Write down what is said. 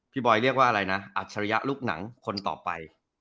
บอยเรียกว่าอะไรนะอัจฉริยะลูกหนังคนต่อไป